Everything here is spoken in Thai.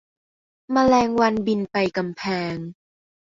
แมลงวันบินไปกำแพง